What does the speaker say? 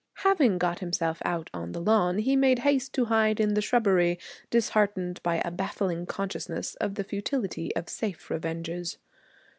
Having got himself out on the lawn, he made haste to hide in the shrubbery, disheartened by a baffling consciousness of the futility of safe revenges.